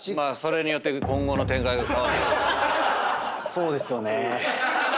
そうですよね。